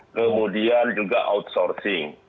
kemudian juga outsourcing